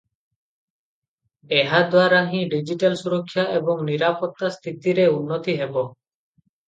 ଏହା ଦ୍ୱାରା ହିଁ ଡିଜିଟାଲ ସୁରକ୍ଷା ଏବଂ ନିରାପତ୍ତା ସ୍ଥିତିରେ ଉନ୍ନତି ହେବ ।